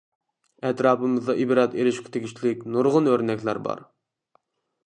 ئەتراپىمىزدا ئىبرەت ئېلىشقا تېگىشلىك نۇرغۇن ئۆرنەكلەر بار.